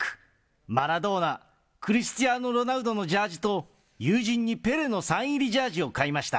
マラドーナ、クリスティアーノ・ロナウドのジャージと、友人にペレのサイン入りジャージを買いました。